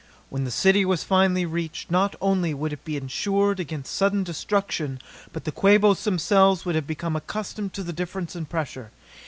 When the city was finally reached, not only would it be ensured against sudden destruction but the Quabos themselves would have become accustomed to the difference in pressure.